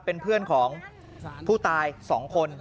เป็นเพื่อนของผู้ตาย๒คน